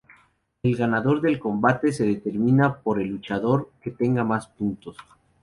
El ganador del combate se determina por el luchador que tenga más puntos.